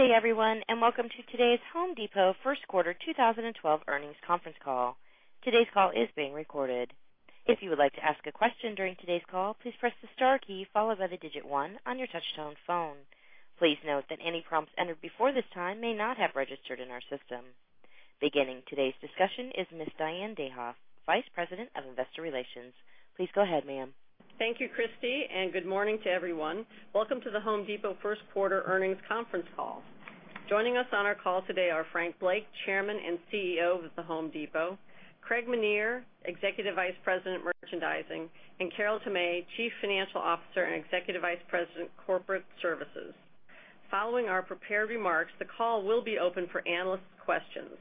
Good day, everyone, and welcome to today's The Home Depot first quarter 2012 earnings conference call. Today's call is being recorded. If you would like to ask a question during today's call, please press the star key followed by the digit 1 on your touch-tone phone. Please note that any prompts entered before this time may not have registered in our system. Beginning today's discussion is Ms. Diane Dayhoff, Vice President of Investor Relations. Please go ahead, ma'am. Thank you, Christy, and good morning to everyone. Welcome to The Home Depot first quarter earnings conference call. Joining us on our call today are Frank Blake, Chairman and CEO of The Home Depot, Craig Menear, Executive Vice President, Merchandising, and Carol Tomé, Chief Financial Officer and Executive Vice President, Corporate Services. Following our prepared remarks, the call will be open for analyst questions.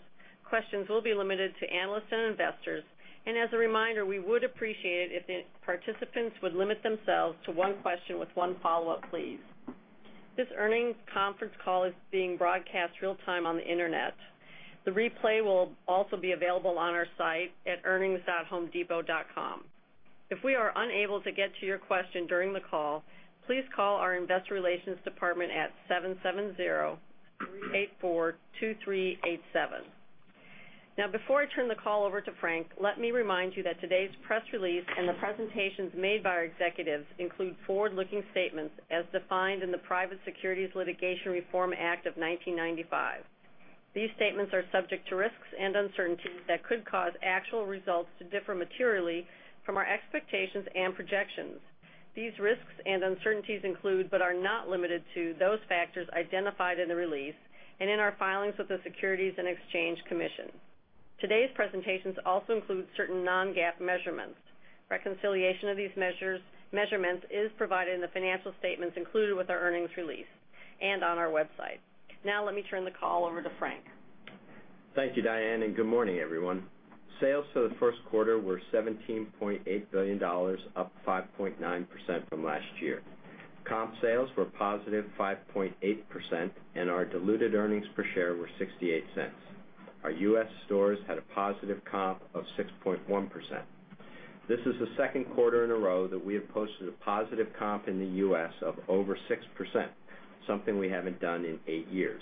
Questions will be limited to analysts and investors, and as a reminder, we would appreciate it if the participants would limit themselves to one question with one follow-up, please. This earnings conference call is being broadcast real time on the internet. The replay will also be available on our site at earnings.homedepot.com. If we are unable to get to your question during the call, please call our investor relations department at 770-384-2387. Before I turn the call over to Frank, let me remind you that today's press release and the presentations made by our executives include forward-looking statements as defined in the Private Securities Litigation Reform Act of 1995. These statements are subject to risks and uncertainties that could cause actual results to differ materially from our expectations and projections. These risks and uncertainties include, but are not limited to, those factors identified in the release and in our filings with the Securities and Exchange Commission. Today's presentations also include certain non-GAAP measurements. Reconciliation of these measurements is provided in the financial statements included with our earnings release and on our website. Let me turn the call over to Frank. Thank you, Diane, and good morning, everyone. Sales for the first quarter were $17.8 billion, up 5.9% from last year. Comp sales were positive 5.8%, and our diluted earnings per share were $0.68. Our U.S. stores had a positive comp of 6.1%. This is the second quarter in a row that we have posted a positive comp in the U.S. of over 6%, something we haven't done in eight years.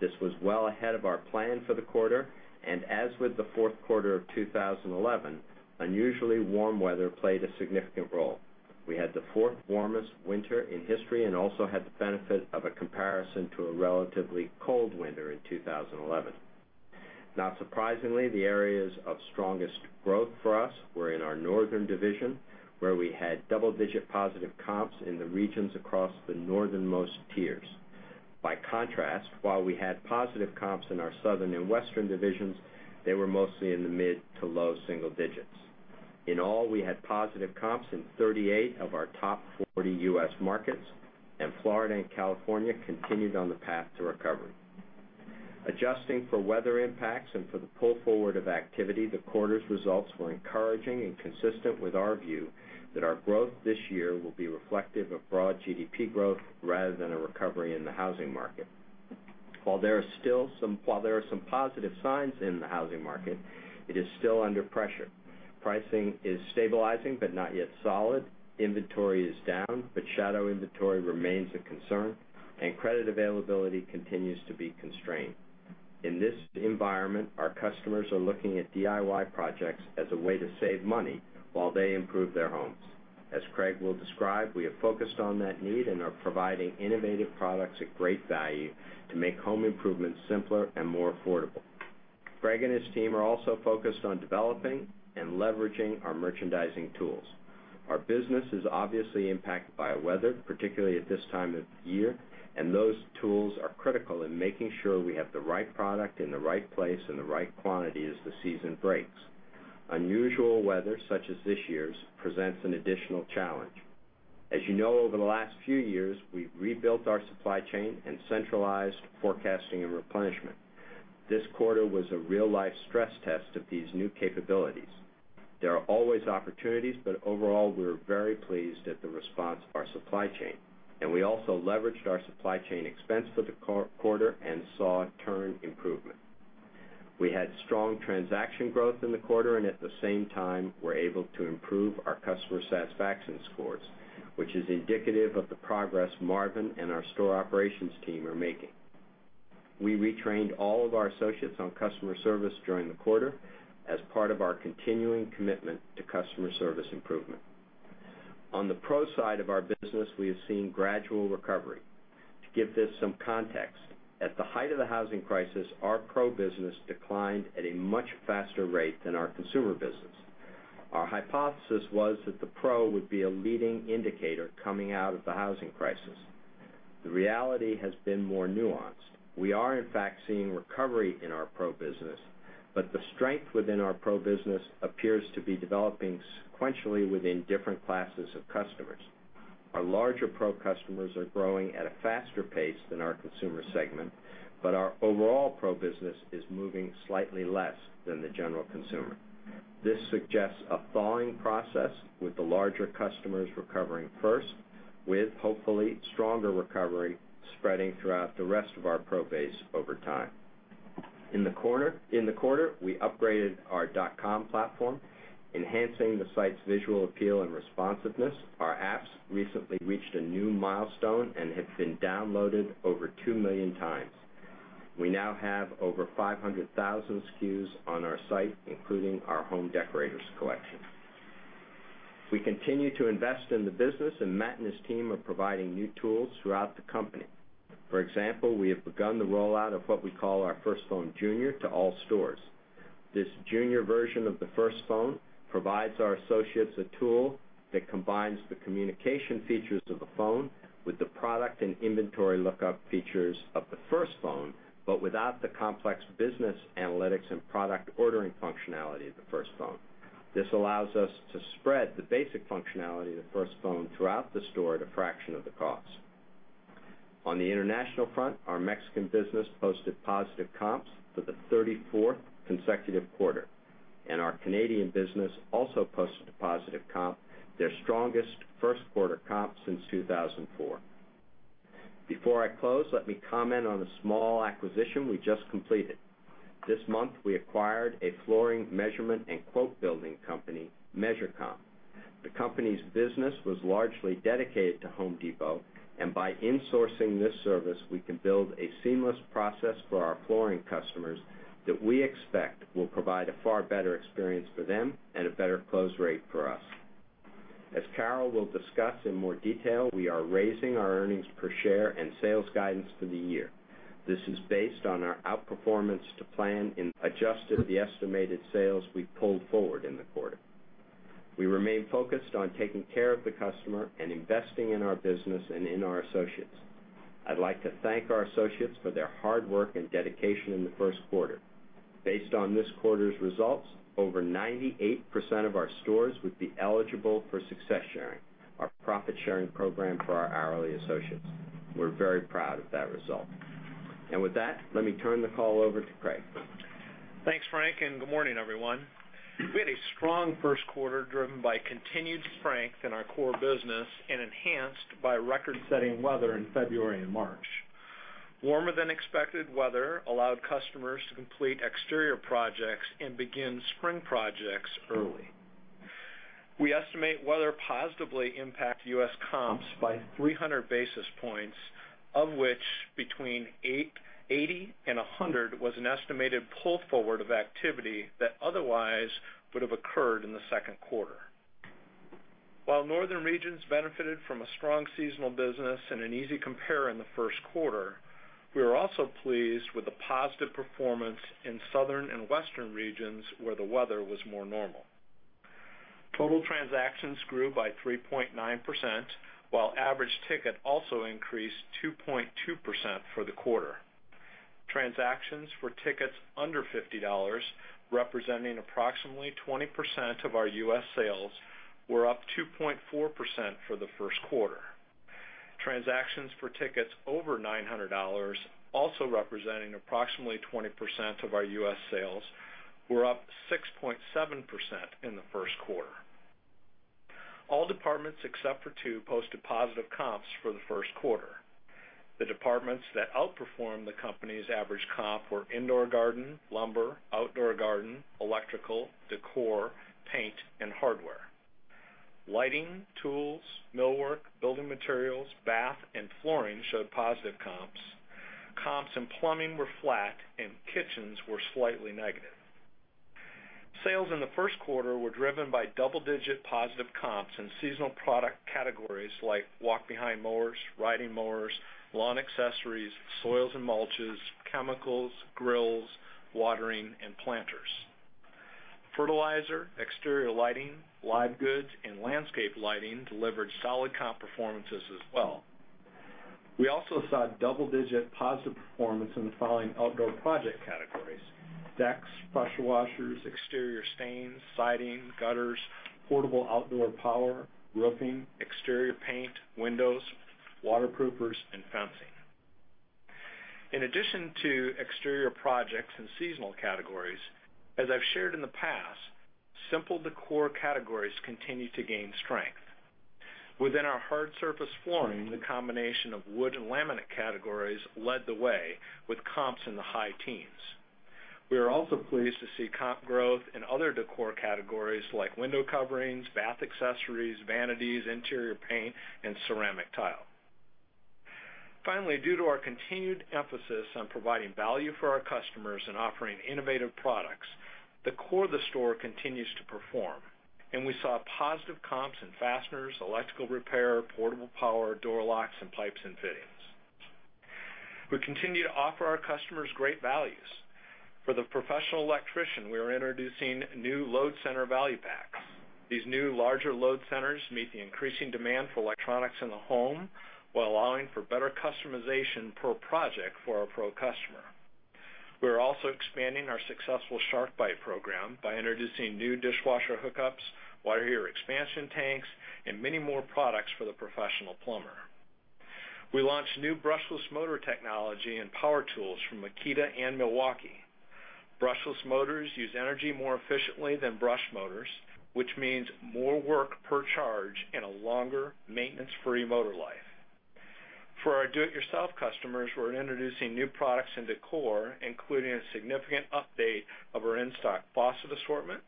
This was well ahead of our plan for the quarter, and as with the fourth quarter of 2011, unusually warm weather played a significant role. We had the fourth warmest winter in history and also had the benefit of a comparison to a relatively cold winter in 2011. Not surprisingly, the areas of strongest growth for us were in our northern division, where we had double-digit positive comps in the regions across the northernmost tiers. By contrast, while we had positive comps in our southern and western divisions, they were mostly in the mid to low single digits. In all, we had positive comps in 38 of our top 40 U.S. markets, and Florida and California continued on the path to recovery. Adjusting for weather impacts and for the pull forward of activity, the quarter's results were encouraging and consistent with our view that our growth this year will be reflective of broad GDP growth rather than a recovery in the housing market. While there are some positive signs in the housing market, it is still under pressure. Pricing is stabilizing but not yet solid. Inventory is down, but shadow inventory remains a concern, and credit availability continues to be constrained. In this environment, our customers are looking at DIY projects as a way to save money while they improve their homes. As Craig will describe, we have focused on that need and are providing innovative products at great value to make home improvements simpler and more affordable. Frank and his team are also focused on developing and leveraging our merchandising tools. Our business is obviously impacted by weather, particularly at this time of year, and those tools are critical in making sure we have the right product in the right place in the right quantity as the season breaks. Unusual weather, such as this year's, presents an additional challenge. As you know, over the last few years, we've rebuilt our supply chain and centralized forecasting and replenishment. This quarter was a real-life stress test of these new capabilities. There are always opportunities, but overall, we're very pleased at the response of our supply chain, and we also leveraged our supply chain expense for the quarter and saw a turn improvement. We had strong transaction growth in the quarter, and at the same time, we're able to improve our customer satisfaction scores, which is indicative of the progress Marvin and our store operations team are making. We retrained all of our associates on customer service during the quarter as part of our continuing commitment to customer service improvement. On the pro side of our business, we have seen gradual recovery. To give this some context, at the height of the housing crisis, our pro business declined at a much faster rate than our consumer business. Our hypothesis was that the pro would be a leading indicator coming out of the housing crisis. The reality has been more nuanced. We are, in fact, seeing recovery in our pro business, but the strength within our pro business appears to be developing sequentially within different classes of customers. Our larger pro customers are growing at a faster pace than our consumer segment, but our overall pro business is moving slightly less than the general consumer. This suggests a thawing process, with the larger customers recovering first, with hopefully stronger recovery spreading throughout the rest of our pro base over time. In the quarter, we upgraded our dot-com platform, enhancing the site's visual appeal and responsiveness. Our apps recently reached a new milestone and have been downloaded over 2 million times. We now have over 500,000 SKUs on our site, including our Home Decorators Collection. We continue to invest in the business, and Matt and his team are providing new tools throughout the company. For example, we have begun the rollout of what we call our First Phone Jr. to all stores. This junior version of the First Phone provides our associates a tool that combines the communication features of a phone with the product and inventory lookup features of the First Phone, but without the complex business analytics and product ordering functionality of the First Phone. This allows us to spread the basic functionality of the First Phone throughout the store at a fraction of the cost. On the international front, our Mexican business posted positive comps for the 34th consecutive quarter, and our Canadian business also posted a positive comp, their strongest first quarter comp since 2004. Before I close, let me comment on a small acquisition we just completed. This month, we acquired a flooring measurement and quote building company, MeasureComp. The company's business was largely dedicated to The Home Depot, and by insourcing this service, we can build a seamless process for our flooring customers that we expect will provide a far better experience for them and a better close rate for us. As Carol will discuss in more detail, we are raising our earnings per share and sales guidance for the year. This is based on our outperformance to plan in adjusted the estimated sales we pulled forward in the quarter. We remain focused on taking care of the customer and investing in our business and in our associates. I'd like to thank our associates for their hard work and dedication in the first quarter. Based on this quarter's results, over 98% of our stores would be eligible for Success Sharing, our profit-sharing program for our hourly associates. We're very proud of that result. With that, let me turn the call over to Craig. Thanks, Frank, and good morning, everyone. We had a strong first quarter driven by continued strength in our core business and enhanced by record-setting weather in February and March. Warmer than expected weather allowed customers to complete exterior projects and begin spring projects early. We estimate weather positively impact U.S. comps by 300 basis points, of which between 80 and 100 was an estimated pull forward of activity that otherwise would have occurred in the second quarter. While northern regions benefited from a strong seasonal business and an easy compare in the first quarter, we were also pleased with the positive performance in southern and western regions where the weather was more normal. Total transactions grew by 3.9%, while average ticket also increased 2.2% for the quarter. Transactions for tickets under $50, representing approximately 20% of our U.S. sales, were up 2.4% for the first quarter. Transactions for tickets over $900, also representing approximately 20% of our U.S. sales, were up 6.7% in the first quarter. All departments except for two posted positive comps for the first quarter. The departments that outperformed the company's average comp were indoor garden, lumber, outdoor garden, electrical, decor, paint, and hardware. Lighting, tools, millwork, building materials, bath, and flooring showed positive comps. Comps and plumbing were flat and kitchens were slightly negative. Sales in the first quarter were driven by double-digit positive comps in seasonal product categories like walk-behind mowers, riding mowers, lawn accessories, soils and mulches, chemicals, grills, watering, and planters. Fertilizer, exterior lighting, live goods, and landscape lighting delivered solid comp performances as well. We also saw double-digit positive performance in the following outdoor project categories: decks, pressure washers, exterior stains, siding, gutters, portable outdoor power, roofing, exterior paint, windows, waterproofers, and fencing. To exterior projects and seasonal categories, as I've shared in the past, simple decor categories continue to gain strength. Within our hard surface flooring, the combination of wood and laminate categories led the way with comps in the high teens. We are also pleased to see comp growth in other decor categories like window coverings, bath accessories, vanities, interior paint, and ceramic tile. Due to our continued emphasis on providing value for our customers and offering innovative products, the core of the store continues to perform, and we saw positive comps in fasteners, electrical repair, portable power, door locks, and pipes and fittings. We continue to offer our customers great values. For the professional electrician, we are introducing new load center value packs. These new larger load centers meet the increasing demand for electronics in the home while allowing for better customization per project for our pro customer. We are also expanding our successful SharkBite program by introducing new dishwasher hookups, water heater expansion tanks, and many more products for the professional plumber. We launched new brushless motor technology and power tools from Makita and Milwaukee. Brushless motors use energy more efficiently than brush motors, which means more work per charge and a longer maintenance-free motor life. For our do-it-yourself customers, we're introducing new products and decor, including a significant update of our in-stock faucet assortment.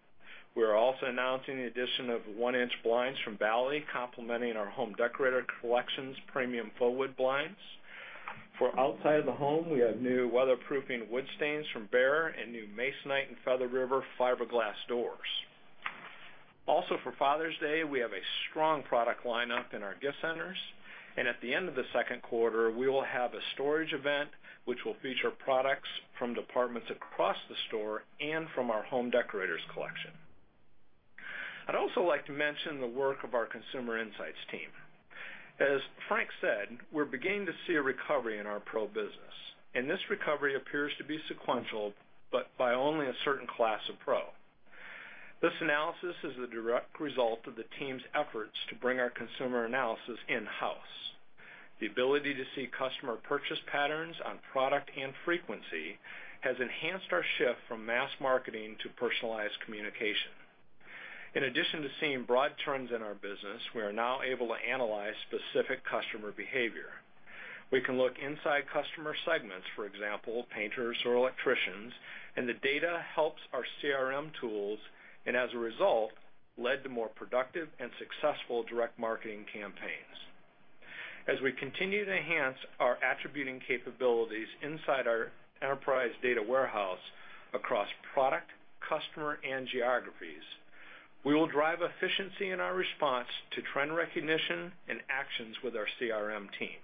We are also announcing the addition of one-inch blinds from Bali, complementing our Home Decorators Collection premium full-width blinds. For outside of the home, we have new weatherproofing wood stains from Behr and new Masonite and Feather River fiberglass doors. For Father's Day, we have a strong product lineup in our gift centers. At the end of the second quarter, we will have a storage event which will feature products from departments across the store and from our Home Decorators Collection. I'd also like to mention the work of our consumer insights team. As Frank said, we're beginning to see a recovery in our pro business. This recovery appears to be sequential, by only a certain class of pro. This analysis is the direct result of the team's efforts to bring our consumer analysis in-house. The ability to see customer purchase patterns on product and frequency has enhanced our shift from mass marketing to personalized communication. To seeing broad trends in our business, we are now able to analyze specific customer behavior. We can look inside customer segments, for example, painters or electricians, and the data helps our CRM tools, and as a result, led to more productive and successful direct marketing campaigns. As we continue to enhance our attributing capabilities inside our enterprise data warehouse across product, customer, and geographies, we will drive efficiency in our response to trend recognition and actions with our CRM team.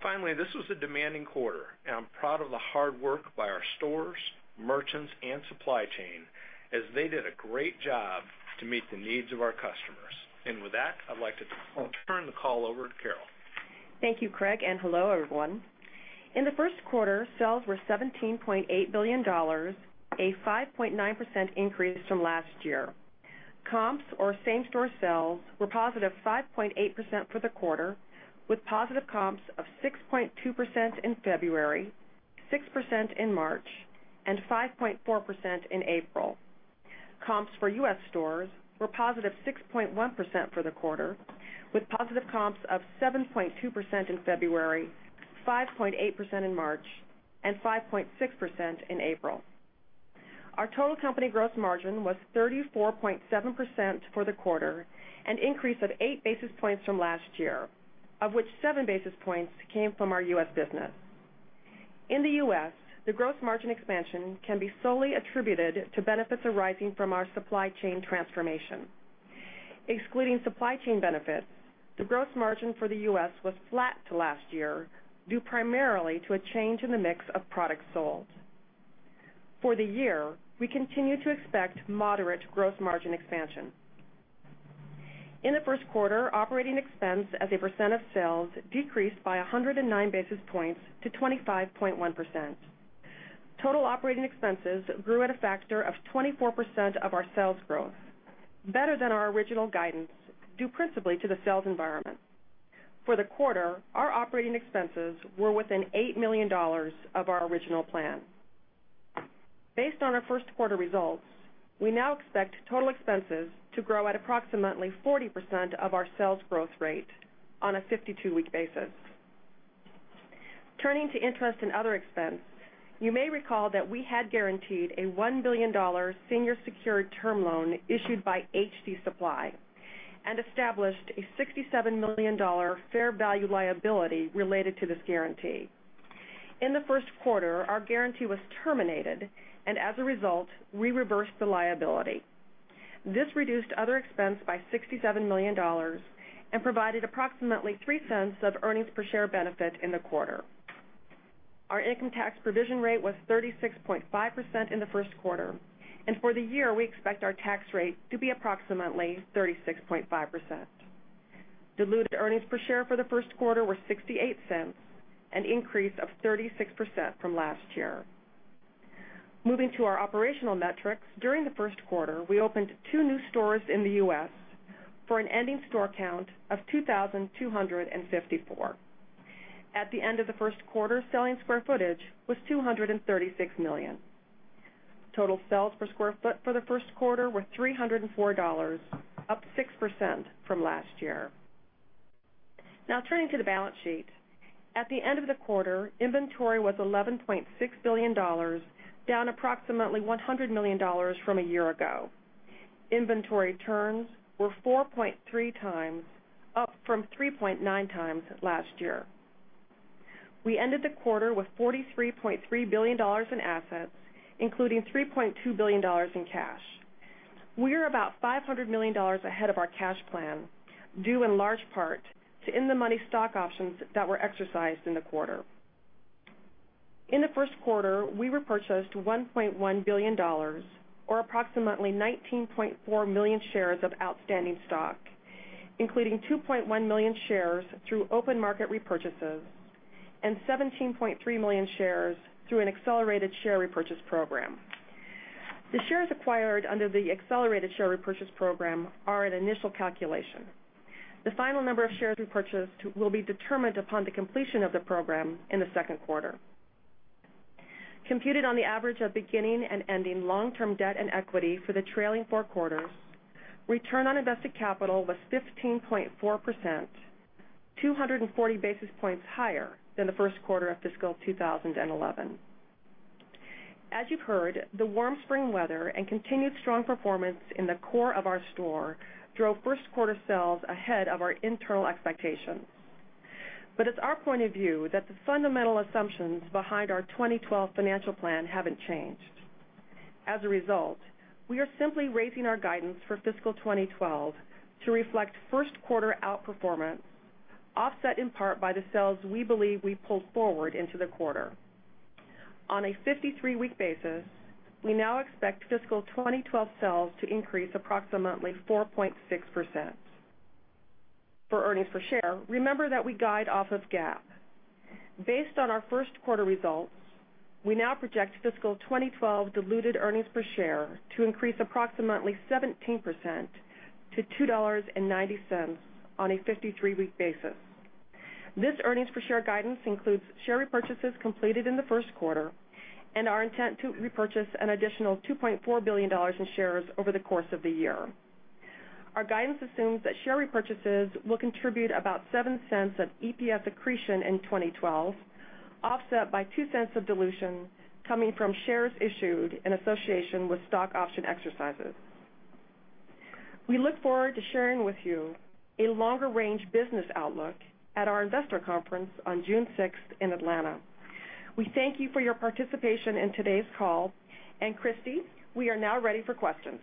Finally, this was a demanding quarter, and I'm proud of the hard work by our stores, merchants, and supply chain, as they did a great job to meet the needs of our customers. With that, I'd like to turn the call over to Carol. Thank you, Craig, and hello, everyone. In the first quarter, sales were $17.8 billion, a 5.9% increase from last year. Comps or same-store sales were positive 5.8% for the quarter, with positive comps of 6.2% in February, 6% in March, and 5.4% in April. Comps for U.S. stores were positive 6.1% for the quarter, with positive comps of 7.2% in February, 5.8% in March, and 5.6% in April. Our total company gross margin was 34.7% for the quarter, an increase of eight basis points from last year, of which seven basis points came from our U.S. business. In the U.S., the gross margin expansion can be solely attributed to benefits arising from our supply chain transformation. Excluding supply chain benefits, the gross margin for the U.S. was flat to last year, due primarily to a change in the mix of products sold. For the year, we continue to expect moderate gross margin expansion. In the first quarter, operating expense as a percent of sales decreased by 109 basis points to 25.1%. Total operating expenses grew at a factor of 24% of our sales growth, better than our original guidance, due principally to the sales environment. For the quarter, our operating expenses were within $8 million of our original plan. Based on our first quarter results, we now expect total expenses to grow at approximately 40% of our sales growth rate on a 52-week basis. Turning to interest and other expense, you may recall that we had guaranteed a $1 billion senior secured term loan issued by HD Supply and established a $67 million fair value liability related to this guarantee. In the first quarter, our guarantee was terminated, and as a result, we reversed the liability. This reduced other expense by $67 million and provided approximately $0.03 of earnings per share benefit in the quarter. Our income tax provision rate was 36.5% in the first quarter, and for the year, we expect our tax rate to be approximately 36.5%. Diluted earnings per share for the first quarter were $0.68, an increase of 36% from last year. Moving to our operational metrics, during the first quarter, we opened two new stores in the U.S. for an ending store count of 2,254. At the end of the first quarter, selling square footage was 236 million. Total sales per square foot for the first quarter were $304, up 6% from last year. Now turning to the balance sheet. At the end of the quarter, inventory was $11.6 billion, down approximately $100 million from a year ago. Inventory turns were 4.3 times, up from 3.9 times last year. We ended the quarter with $43.3 billion in assets, including $3.2 billion in cash. We are about $500 million ahead of our cash plan, due in large part to in-the-money stock options that were exercised in the quarter. In the first quarter, we repurchased $1.1 billion, or approximately 19.4 million shares of outstanding stock, including 2.1 million shares through open market repurchases and 17.3 million shares through an accelerated share repurchase program. The shares acquired under the accelerated share repurchase program are an initial calculation. The final number of shares repurchased will be determined upon the completion of the program in the second quarter. Computed on the average of beginning and ending long-term debt and equity for the trailing four quarters, return on invested capital was 15.4%, 240 basis points higher than the first quarter of fiscal 2011. As you've heard, the warm spring weather and continued strong performance in the core of our store drove first quarter sales ahead of our internal expectations. It's our point of view that the fundamental assumptions behind our 2012 financial plan haven't changed. As a result, we are simply raising our guidance for fiscal 2012 to reflect first quarter outperformance, offset in part by the sales we believe we pulled forward into the quarter. On a 53-week basis, we now expect fiscal 2012 sales to increase approximately 4.6%. For earnings per share, remember that we guide off of GAAP. Based on our first quarter results, we now project fiscal 2012 diluted earnings per share to increase approximately 17% to $2.90 on a 53-week basis. This earnings per share guidance includes share repurchases completed in the first quarter and our intent to repurchase an additional $2.4 billion in shares over the course of the year. Our guidance assumes that share repurchases will contribute about $0.07 of EPS accretion in 2012, offset by $0.02 of dilution coming from shares issued in association with stock option exercises. We look forward to sharing with you a longer range business outlook at our investor conference on June 6th in Atlanta. We thank you for your participation in today's call. Christy, we are now ready for questions.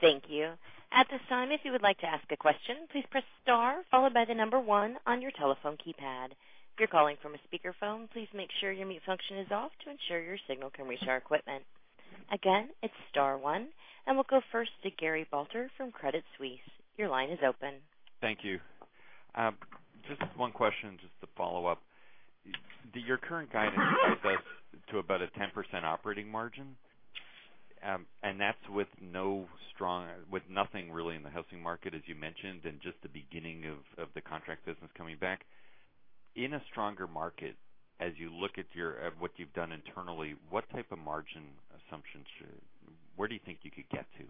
Thank you. At this time, if you would like to ask a question, please press star followed by the number 1 on your telephone keypad. If you're calling from a speakerphone, please make sure your mute function is off to ensure your signal can reach our equipment. Again, it's star 1, and we'll go first to Gary Balter from Credit Suisse. Your line is open. Thank you. Just one question just to follow up. Your current guidance takes us to about a 10% operating margin, and that's with nothing really in the housing market, as you mentioned, and just the beginning of the contract business coming back. In a stronger market, as you look at what you've done internally, what type of margin assumptions Where do you think you could get to?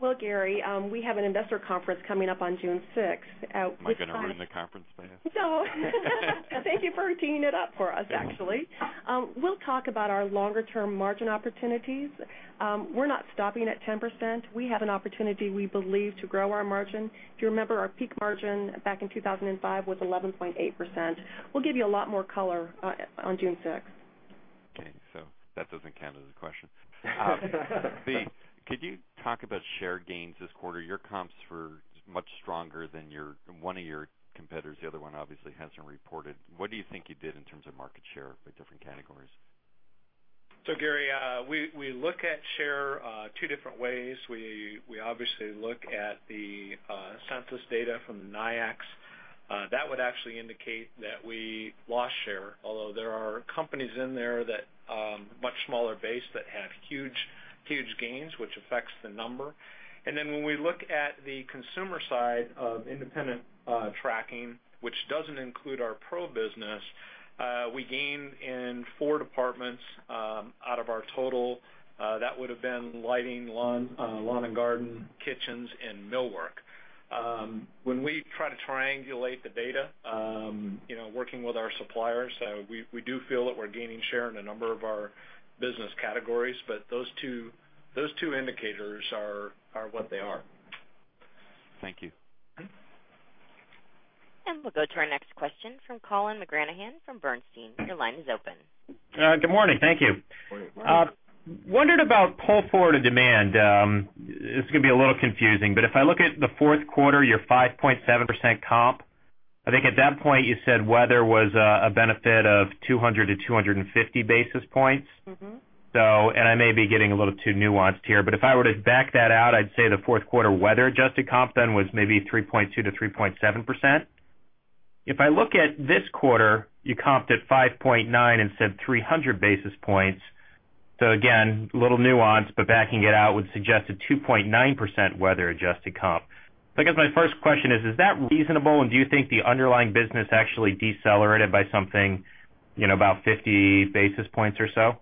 Well, Gary, we have an investor conference coming up on June 6th. At which time Am I going to ruin the conference by asking? Thank you for teeing it up for us, actually. We'll talk about our longer-term margin opportunities. We're not stopping at 10%. We have an opportunity, we believe, to grow our margin. If you remember, our peak margin back in 2005 was 11.8%. We'll give you a lot more color on June 6th. Okay, that doesn't count as a question. Could you talk about share gains this quarter? Your comps were much stronger than one of your competitors. The other one obviously hasn't reported. What do you think you did in terms of market share by different categories? Gary, we look at share two different ways. We obviously look at the census data from the NAICS. That would actually indicate that we lost share, although there are companies in there that, much smaller base, that have huge gains, which affects the number. When we look at the consumer side of independent tracking, which doesn't include our pro business, we gained in four departments out of our total. That would have been lighting, lawn and garden, kitchens, and millwork. When we try to triangulate the data, working with our suppliers, we do feel that we're gaining share in a number of our business categories, but those two indicators are what they are. Thank you. We'll go to our next question from Colin McGranahan from Bernstein. Your line is open. Good morning. Thank you. Good morning. Wondered about pull forward to demand. This is going to be a little confusing, but if I look at the fourth quarter, your 5.7% comp, I think at that point you said weather was a benefit of 200-250 basis points. I may be getting a little too nuanced here, but if I were to back that out, I'd say the fourth quarter weather-adjusted comp then was maybe 3.2%-3.7%. If I look at this quarter, you comped at 5.9% and said 300 basis points. Again, a little nuanced, but backing it out would suggest a 2.9% weather-adjusted comp. I guess my first question is that reasonable, and do you think the underlying business actually decelerated by something about 50 basis points or so?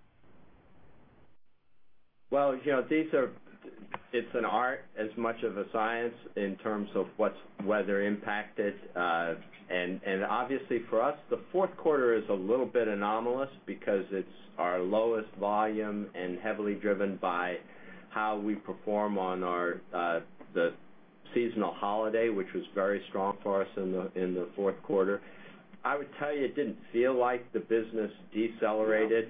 Well, it's an art as much of a science in terms of what's weather impacted. Obviously for us, the fourth quarter is a little bit anomalous because it's our lowest volume and heavily driven by how we perform on the seasonal holiday, which was very strong for us in the fourth quarter. I would tell you, it didn't feel like the business decelerated.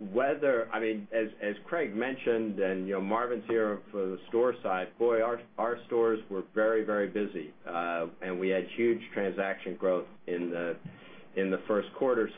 Weather, as Craig mentioned, and Marvin's here for the store side, boy, our stores were very busy. We had huge transaction growth in the first quarter.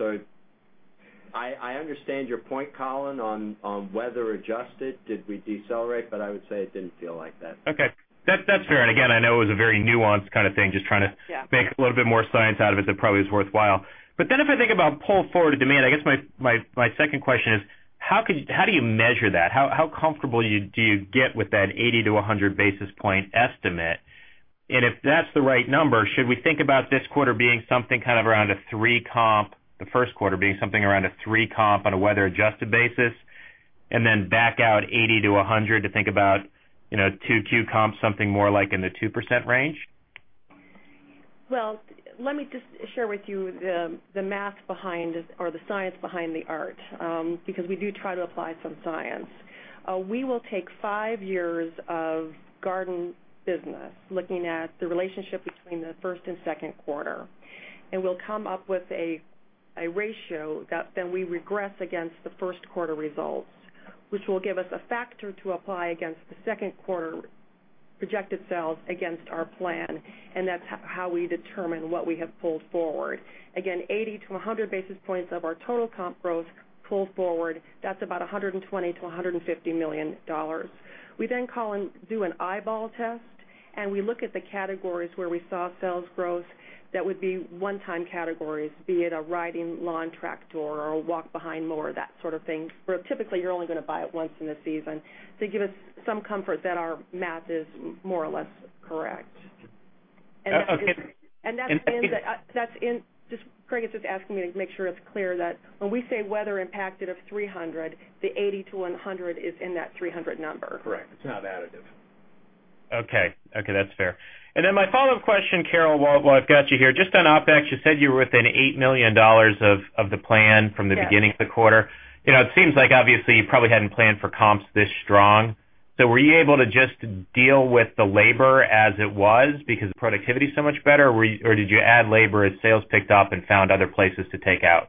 I understand your point, Colin, on weather-adjusted. Did we decelerate? I would say it didn't feel like that. Okay. That's fair. Again, I know it was a very nuanced kind of thing. Just trying to- Yeah I'm trying to make a little bit more science out of it than probably is worthwhile. If I think about pull forward to demand, I guess my second question is, how do you measure that? How comfortable do you get with that 80 to 100 basis point estimate? If that's the right number, should we think about this quarter being something around a three comp, the first quarter being something around a three comp on a weather-adjusted basis, then back out 80 to 100 to think about, two Q comps, something more like in the 2% range? Well, let me just share with you the math behind or the science behind the art, because we do try to apply some science. We will take five years of garden business, looking at the relationship between the first and second quarter. We'll come up with a ratio that then we regress against the first quarter results, which will give us a factor to apply against the second quarter projected sales against our plan, that's how we determine what we have pulled forward. Again, 80 to 100 basis points of our total comp growth pulled forward, that's about $120 million-$150 million. We call and do an eyeball test, we look at the categories where we saw sales growth that would be one-time categories, be it a riding lawn tractor or a walk-behind mower, that sort of thing. Where typically you're only going to buy it once in a season. To give us some comfort that our math is more or less correct. Okay. That's Craig is just asking me to make sure it's clear that when we say weather impacted of 300, the 80 to 100 is in that 300 number. Correct. It's not additive. Okay. That's fair. Then my follow-up question, Carol, while I've got you here, just on OpEx, you said you were within $8 million of the plan from the beginning. Yes of the quarter. It seems like obviously you probably hadn't planned for comps this strong. Were you able to just deal with the labor as it was because productivity so much better, or did you add labor as sales picked up and found other places to take out?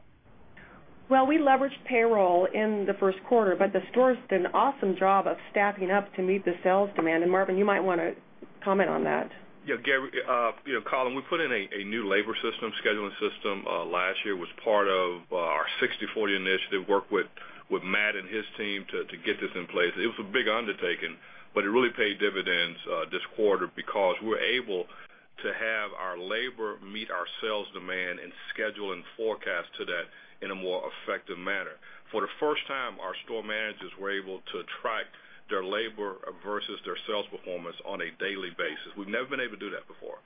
Well, we leveraged payroll in the first quarter, but the stores did an awesome job of staffing up to meet the sales demand. Marvin, you might want to comment on that. Yeah, Colin, we put in a new labor system, scheduling system, last year. Was part of our 60/40 Initiative work with Matt and his team to get this in place. It was a big undertaking, but it really paid dividends this quarter because we're able to have our labor meet our sales demand and schedule and forecast to that in a more effective manner. For the first time, our store managers were able to track their labor versus their sales performance on a daily basis. We've never been able to do that before.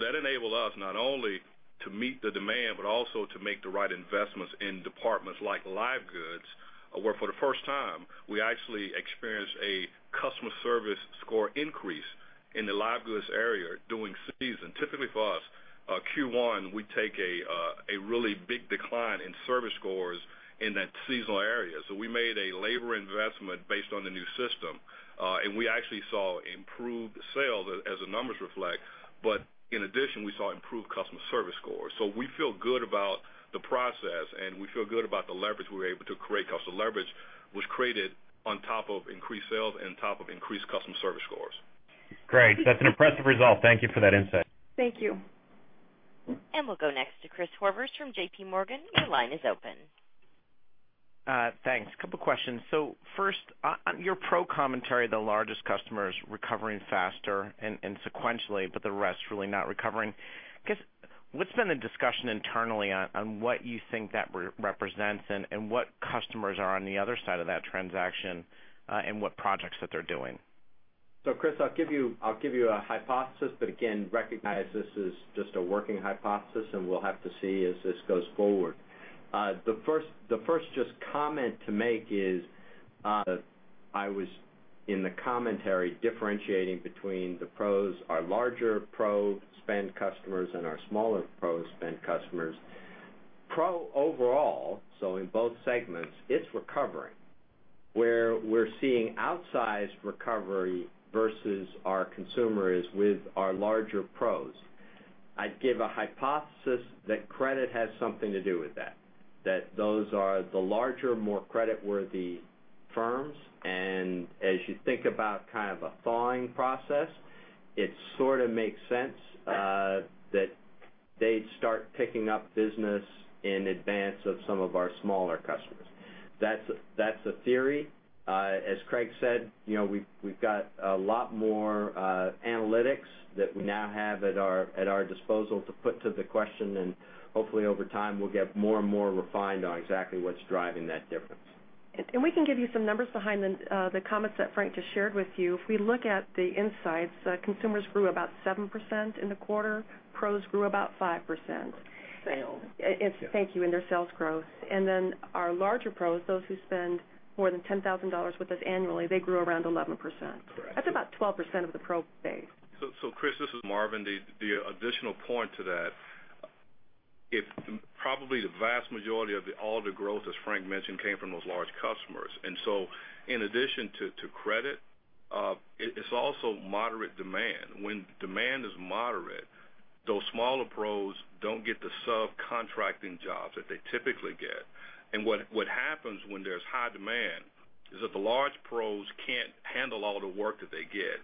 That enabled us not only to meet the demand, but also to make the right investments in departments like live goods, where for the first time, we actually experienced a customer service score increase in the live goods area during season. Typically for us, Q1, we take a really big decline in service scores in that seasonal area. We made a labor investment based on the new system. We actually saw improved sales as the numbers reflect. In addition, we saw improved customer service scores. We feel good about the process, and we feel good about the leverage we were able to create because the leverage was created on top of increased sales and top of increased customer service scores. Great. That's an impressive result. Thank you for that insight. Thank you. We'll go next to Chris Horvers from JPMorgan. Your line is open. Thanks. Couple questions. First, on your pro commentary, the largest customers recovering faster and sequentially, but the rest really not recovering. I guess, what's been the discussion internally on what you think that represents and what customers are on the other side of that transaction, and what projects that they're doing? Chris, I'll give you a hypothesis, but again, recognize this is just a working hypothesis, and we'll have to see as this goes forward. The first just comment to make is, I was in the commentary differentiating between the pros, our larger pro spend customers and our smaller pro spend customers. Pro overall, so in both segments, it's recovering. Where we're seeing outsized recovery versus our consumer is with our larger pros. I'd give a hypothesis that credit has something to do with that those are the larger, more creditworthy firms. As you think about kind of a thawing process, it sort of makes sense that they'd start picking up business in advance of some of our smaller customers. That's a theory. As Craig said, we've got a lot more analytics that we now have at our disposal to put to the question, and hopefully over time we'll get more and more refined on exactly what's driving that difference. We can give you some numbers behind the comments that Frank just shared with you. If we look at the insights, consumers grew about 7% in the quarter, pros grew about 5%. Sales. Thank you. In their sales growth. Our larger pros, those who spend more than $10,000 with us annually, they grew around 11%. Correct. That's about 12% of the pro base. Chris, this is Marvin. The additional point to that, probably the vast majority of all the growth, as Frank mentioned, came from those large customers. In addition to credit, it's also moderate demand. When demand is moderate, those smaller pros don't get the subcontracting jobs that they typically get. What happens when there's high demand is that the large pros can't handle all the work that they get,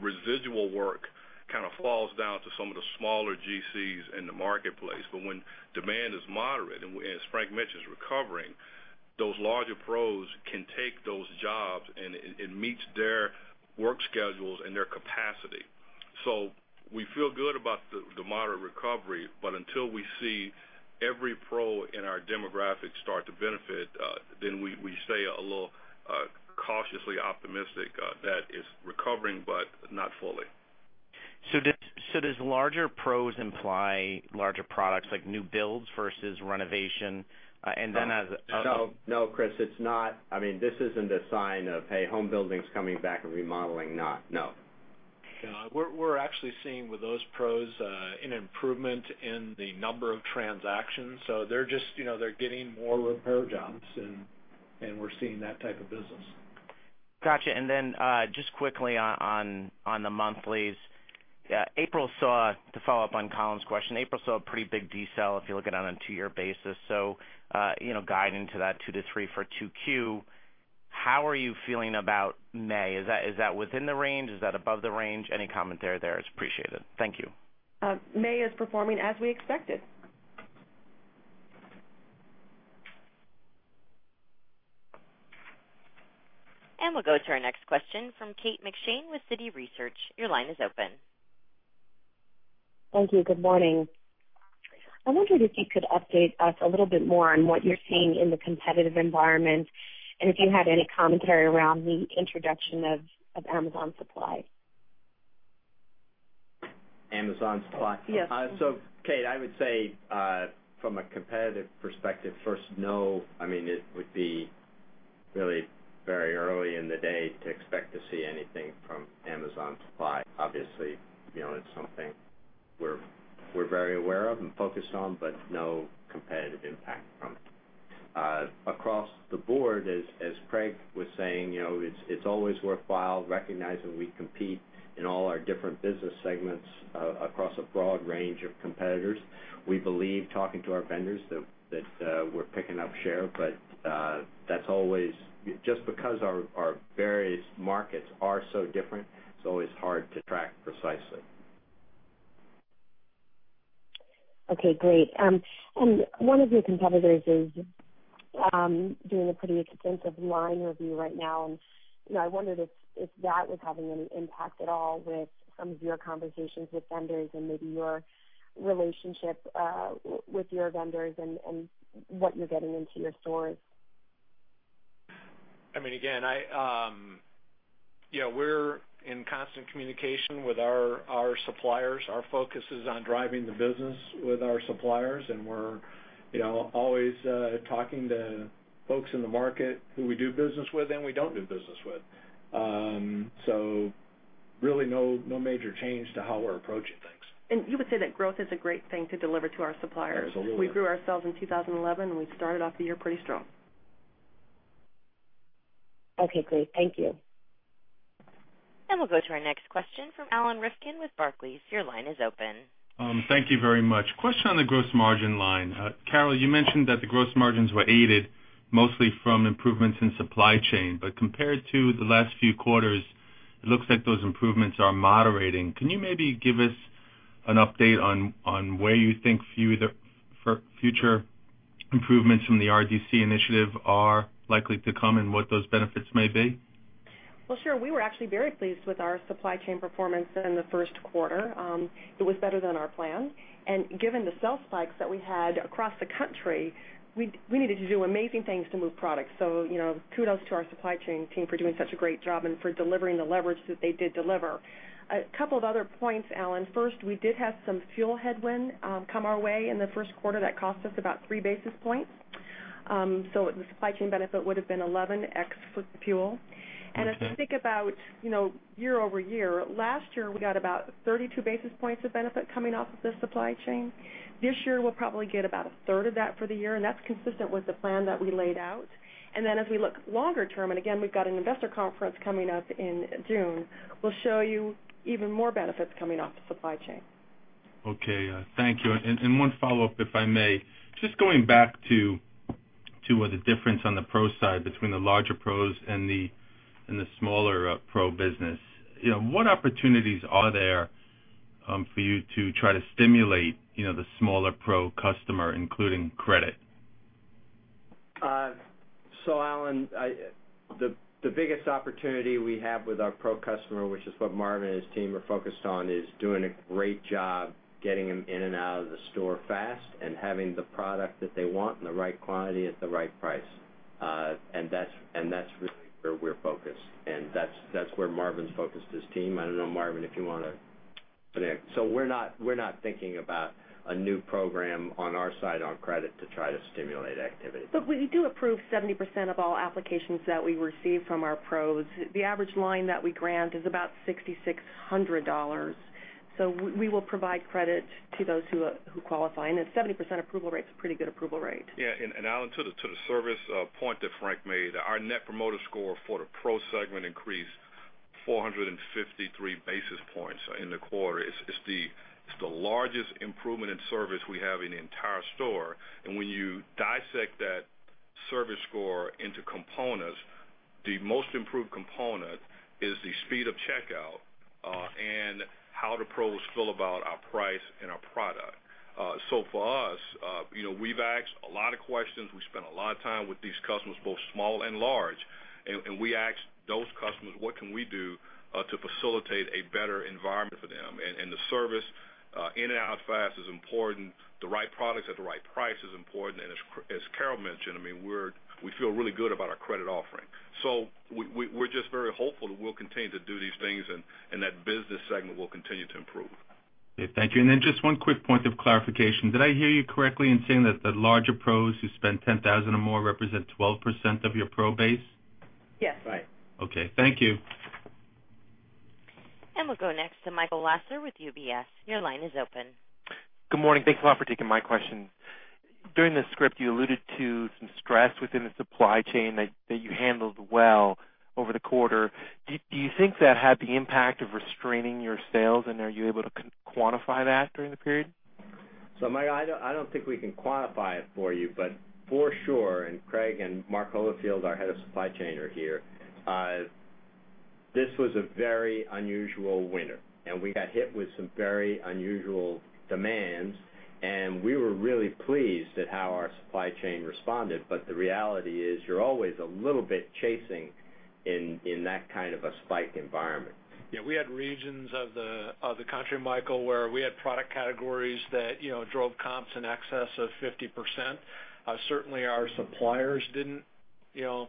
residual work kind of falls down to some of the smaller GCs in the marketplace. When demand is moderate, and as Frank mentioned, is recovering, those larger pros can take those jobs and it meets their work schedules and their capacity. We feel good about the moderate recovery, but until we see every pro in our demographic start to benefit, then we stay a little Cautiously optimistic that it's recovering, but not fully. Does larger pros imply larger products like new builds versus renovation? No, Chris, it's not. This isn't a sign of, hey, home building's coming back and remodeling not. No. No. We're actually seeing with those pros an improvement in the number of transactions. They're getting more repair jobs, and we're seeing that type of business. Got you. Just quickly on the monthlies. To follow up on Colin's question, April saw a pretty big decel if you look at it on a two-year basis. Guiding to that two to three for 2Q, how are you feeling about May? Is that within the range? Is that above the range? Any comment there is appreciated. Thank you. May is performing as we expected. We'll go to our next question from Kate McShane with Citi Research. Your line is open. Thank you. Good morning. I wondered if you could update us a little bit more on what you're seeing in the competitive environment and if you had any commentary around the introduction of Amazon Supply. Amazon Supply. Yes. Kate, I would say, from a competitive perspective first, no, it would be really very early in the day to expect to see anything from Amazon Supply. Obviously, it's something we're very aware of and focused on, but no competitive impact from it. Across the board, as Craig was saying, it's always worthwhile recognizing we compete in all our different business segments, across a broad range of competitors. We believe, talking to our vendors, that we're picking up share, but just because our various markets are so different, it's always hard to track precisely. Okay, great. One of your competitors is doing a pretty extensive line review right now, and I wondered if that was having any impact at all with some of your conversations with vendors and maybe your relationship with your vendors and what you're getting into your stores. Again, we're in constant communication with our suppliers. Our focus is on driving the business with our suppliers, and we're always talking to folks in the market who we do business with and we don't do business with. Really no major change to how we're approaching things. You would say that growth is a great thing to deliver to our suppliers. Absolutely. We grew our sales in 2011, and we started off the year pretty strong. Okay, great. Thank you. We'll go to our next question from Alan Rifkin with Barclays. Your line is open. Thank you very much. Question on the gross margin line. Carol, you mentioned that the gross margins were aided mostly from improvements in supply chain. Compared to the last few quarters, it looks like those improvements are moderating. Can you maybe give us an update on where you think future improvements from the RDC initiative are likely to come and what those benefits may be? Well, sure. We were actually very pleased with our supply chain performance in the first quarter. It was better than our plan. Given the sales spikes that we had across the country, we needed to do amazing things to move product. Kudos to our supply chain team for doing such a great job and for delivering the leverage that they did deliver. A couple of other points, Alan. First, we did have some fuel headwind come our way in the first quarter that cost us about three basis points. The supply chain benefit would've been 11 ex fuel. If you think about year-over-year, last year, we got about 32 basis points of benefit coming off of the supply chain. This year, we'll probably get about a third of that for the year, and that's consistent with the plan that we laid out. As we look longer term, again, we've got an investor conference coming up in June, we'll show you even more benefits coming off the supply chain. Okay. Thank you. One follow-up, if I may. Just going back to the difference on the pro side between the larger pros and the smaller pro business. What opportunities are there for you to try to stimulate the smaller pro customer, including credit? Alan, the biggest opportunity we have with our pro customer, which is what Marvin and his team are focused on, is doing a great job getting them in and out of the store fast and having the product that they want in the right quantity at the right price. That's really where we're focused, and that's where Marvin's focused his team. I don't know, Marvin, if you want to connect. We're not thinking about a new program on our side on credit to try to stimulate activity. Look, we do approve 70% of all applications that we receive from our pros. The average line that we grant is about $6,600. We will provide credit to those who qualify. A 70% approval rate is a pretty good approval rate. Yeah. Alan, to the service point that Frank made, our Net Promoter Score for the Pro segment increased 453 basis points in the quarter. It's the largest improvement in service we have in the entire store. When you dissect that service score into components, the most improved component is the speed of checkout, and how the Pros feel about our price and our product. For us, we've asked a lot of questions. We've spent a lot of time with these customers, both small and large. We asked those customers, what can we do to facilitate a better environment for them? The service, in and out fast is important. The right products at the right price is important. As Carol mentioned, we feel really good about our credit offering. We're just very hopeful that we'll continue to do these things and that business segment will continue to improve. Okay. Thank you. Then just one quick point of clarification. Did I hear you correctly in saying that the larger Pros who spend $10,000 or more represent 12% of your Pro base? Yes. Right. Okay. Thank you. We'll go next to Michael Lasser with UBS. Your line is open. Good morning. Thanks a lot for taking my question. During the script, you alluded to some stress within the supply chain that you handled well over the quarter. Do you think that had the impact of restraining your sales, and are you able to quantify that during the period? Michael, I don't think we can quantify it for you, but for sure, Craig and Mark Holifield, our head of supply chain are here. This was a very unusual winter, and we got hit with some very unusual demands, and we were really pleased at how our supply chain responded. The reality is you're always a little bit chasing in that kind of a spike environment. We had regions of the country, Michael, where we had product categories that drove comps in excess of 50%. Certainly, our suppliers didn't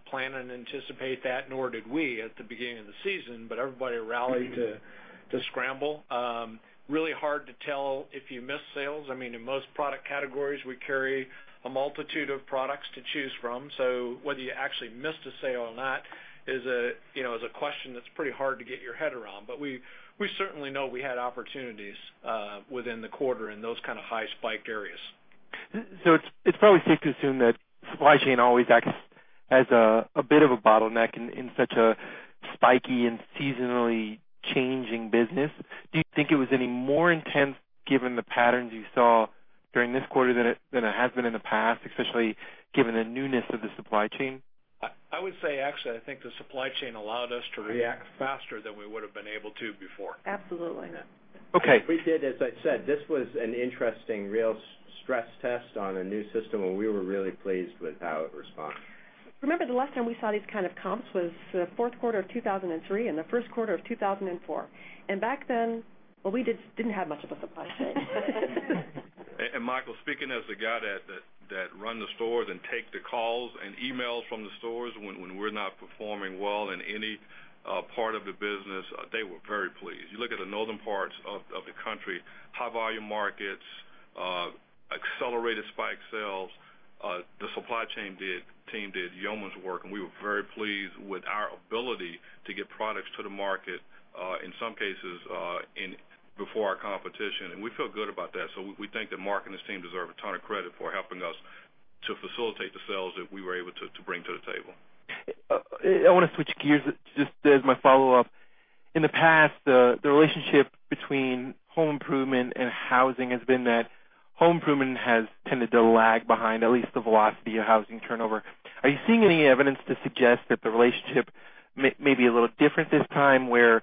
plan and anticipate that, nor did we at the beginning of the season. Everybody rallied to scramble. Really hard to tell if you missed sales. In most product categories, we carry a multitude of products to choose from. Whether you actually missed a sale or not is a question that's pretty hard to get your head around. We certainly know we had opportunities within the quarter in those kind of high spike areas. It's probably safe to assume that supply chain always acts as a bit of a bottleneck in such a spiky and seasonally changing business. Do you think it was any more intense given the patterns you saw during this quarter than it has been in the past, especially given the newness of the supply chain? I would say actually, I think the supply chain allowed us to react faster than we would have been able to before. Absolutely. Okay. We did, as I said, this was an interesting real stress test on a new system, and we were really pleased with how it responded. Remember, the last time we saw these kind of comps was the fourth quarter of 2003 and the first quarter of 2004. Back then, well, we didn't have much of a supply chain. Michael, speaking as the guy that run the stores and take the calls and emails from the stores when we're not performing well in any part of the business, they were very pleased. You look at the Northern parts of the country, high volume markets, accelerated spike sales. The supply chain team did yeoman's work, we were very pleased with our ability to get products to the market, in some cases, before our competition, we feel good about that. We think that Mark and his team deserve a ton of credit for helping us to facilitate the sales that we were able to bring to the table. I want to switch gears just as my follow-up. In the past, the relationship between home improvement and housing has been that home improvement has tended to lag behind, at least the velocity of housing turnover. Are you seeing any evidence to suggest that the relationship may be a little different this time, where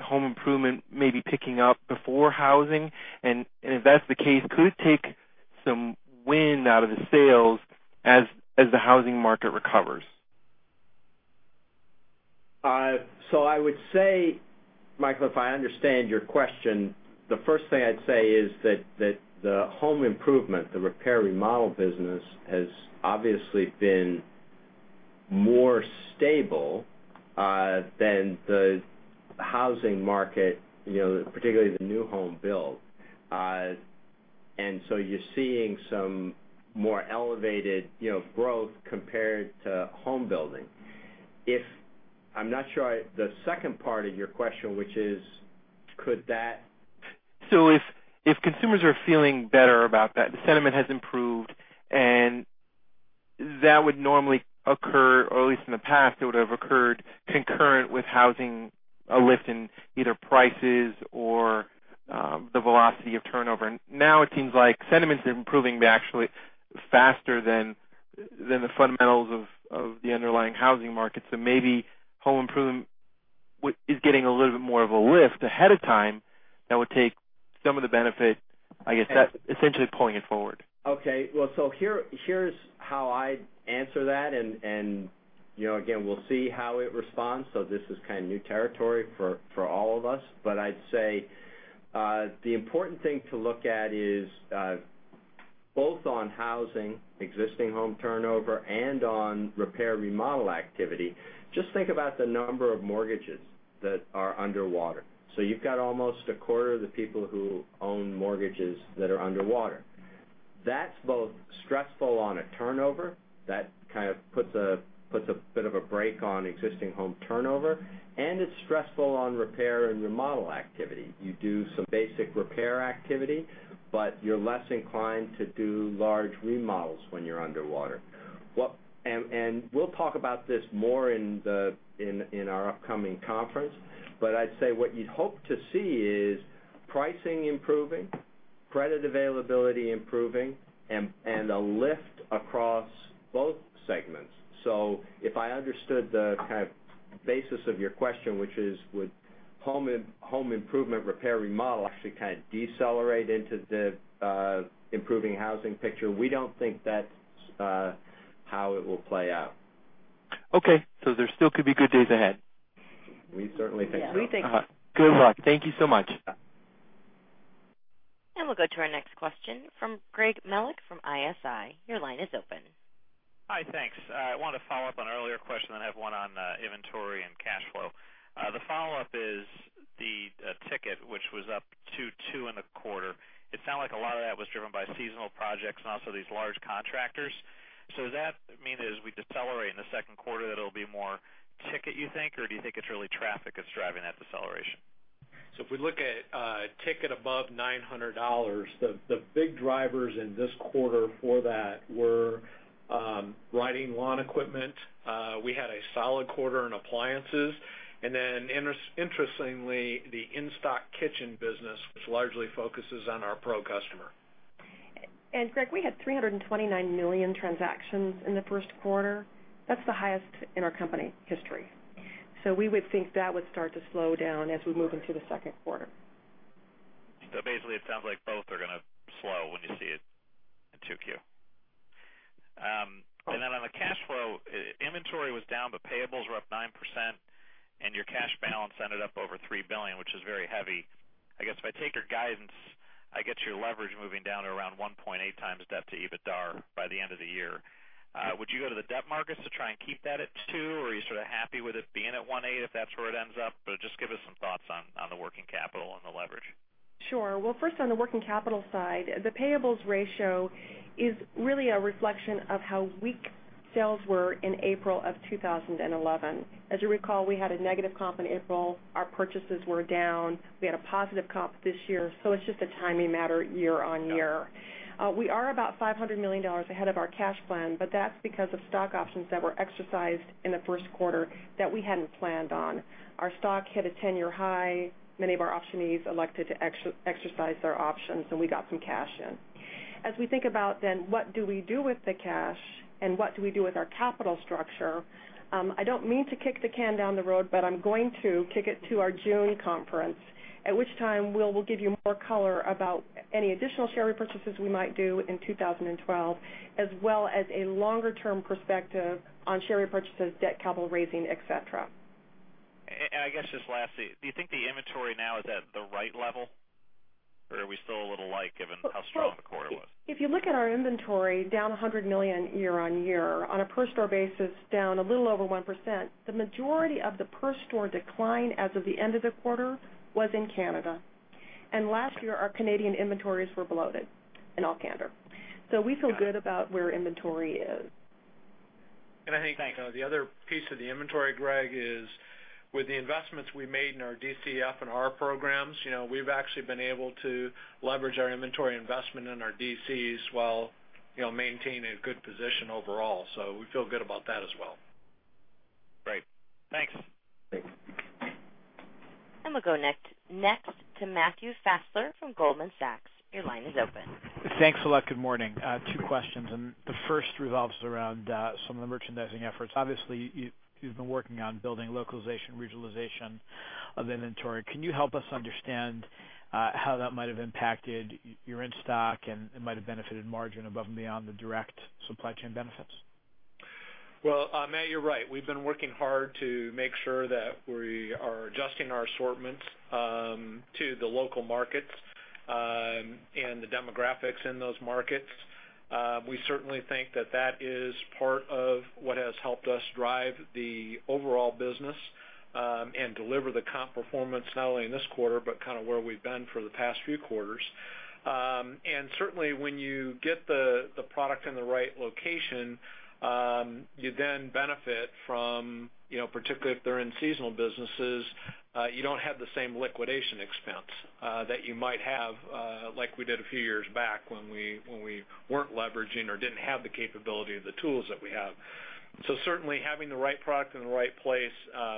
home improvement may be picking up before housing? If that's the case, could it take some wind out of the sails as the housing market recovers? I would say, Michael, if I understand your question, the first thing I'd say is that the home improvement, the repair, remodel business, has obviously been more stable than the housing market, particularly the new home build. You're seeing some more elevated growth compared to home building. I'm not sure the second part of your question. If consumers are feeling better about that, the sentiment has improved, that would normally occur, or at least in the past, it would have occurred concurrent with housing, a lift in either prices or the velocity of turnover. Now it seems like sentiments are improving, actually faster than the fundamentals of the underlying housing market. Maybe home improvement is getting a little bit more of a lift ahead of time that would take some of the benefit, I guess that essentially pulling it forward. Okay. Here's how I'd answer that, and again, we'll see how it responds. This is new territory for all of us. I'd say the important thing to look at is both on housing, existing home turnover, and on repair, remodel activity. Just think about the number of mortgages that are underwater. You've got almost a quarter of the people who own mortgages that are underwater. That's both stressful on a turnover. That puts a bit of a brake on existing home turnover, and it's stressful on repair and remodel activity. You do some basic repair activity, but you're less inclined to do large remodels when you're underwater. We'll talk about this more in our upcoming conference. I'd say what you'd hope to see is pricing improving, credit availability improving, and a lift across both segments. If I understood the basis of your question, which is, would home improvement repair, remodel, actually decelerate into the improving housing picture? We don't think that's how it will play out. Okay. There still could be good days ahead. We certainly think so. We think so. Good luck. Thank you so much. We'll go to our next question from Greg Melich from ISI. Your line is open. Hi, thanks. I wanted to follow up on an earlier question, then I have one on inventory and cash flow. The follow-up is the ticket, which was up to two in the quarter. It sounded like a lot of that was driven by seasonal projects and also these large contractors. Does that mean that as we decelerate in the second quarter, that it'll be more ticket, you think? Or do you think it's really traffic that's driving that deceleration? If we look at a ticket above $900, the big drivers in this quarter for that were riding lawn equipment. We had a solid quarter on appliances. Interestingly, the in-stock kitchen business, which largely focuses on our pro customer. Greg, we had 329 million transactions in the first quarter. That's the highest in our company history. We would think that would start to slow down as we move into the second quarter. Basically, it sounds like both are going to slow when you see it in 2Q. On the cash flow, inventory was down, but payables were up 9%, and your cash balance ended up over $3 billion, which is very heavy. I guess, if I take your guidance, I get your leverage moving down to around 1.8 times debt to EBITDA by the end of the year. Would you go to the debt markets to try and keep that at two, or are you sort of happy with it being at 1.8, if that's where it ends up? Just give us some thoughts on the working capital and the leverage. Sure. Well, first, on the working capital side, the payables ratio is really a reflection of how weak sales were in April of 2011. As you recall, we had a negative comp in April. Our purchases were down. It's just a timing matter year-on-year. We are about $500 million ahead of our cash plan, but that's because of stock options that were exercised in the first quarter that we hadn't planned on. Our stock hit a 10-year high. Many of our optionees elected to exercise their options, and we got some cash in. We think about then, what do we do with the cash, and what do we do with our capital structure? I don't mean to kick the can down the road, I'm going to kick it to our June conference, at which time we will give you more color about any additional share repurchases we might do in 2012, as well as a longer-term perspective on share repurchases, debt capital raising, et cetera. I guess just lastly, do you think the inventory now is at the right level, or are we still a little light given how strong the quarter was? If you look at our inventory down $100 million year-on-year, on a per store basis, down a little over 1%, the majority of the per store decline as of the end of the quarter was in Canada. Last year, our Canadian inventories were bloated in all candor. We feel good about where inventory is. I think the other piece of the inventory, Greg, is with the investments we made in our DC F&R programs, we've actually been able to leverage our inventory investment in our DCs while maintaining a good position overall. We feel good about that as well. Great. Thanks. We'll go next to Matthew Fassler from Goldman Sachs. Your line is open. Thanks a lot. Good morning. Two questions, the first revolves around some of the merchandising efforts. Obviously, you've been working on building localization, regionalization of inventory. Can you help us understand how that might have impacted your in-stock and it might have benefited margin above and beyond the direct supply chain benefits? Well, Matt, you're right. We've been working hard to make sure that we are adjusting our assortments to the local markets and the demographics in those markets. We certainly think that that is part of what has helped us drive the overall business and deliver the comp performance, not only in this quarter, but kind of where we've been for the past few quarters. Certainly, when you get the product in the right location, you then benefit from, particularly if they're in seasonal businesses, you don't have the same liquidation expense that you might have like we did a few years back when we weren't leveraging or didn't have the capability or the tools that we have. Certainly, having the right product in the right place